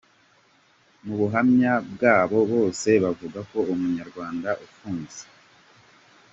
Mu buhamya bwabo bose bavuga ko umunyarwanda ufunze.